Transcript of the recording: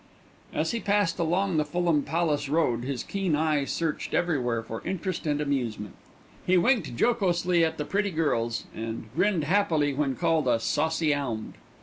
As he passed along the Fulham Palace Road his keen eye searched everywhere for interest and amusement. He winked jocosely at the pretty girls, and grinned happily when called a "saucy 'ound."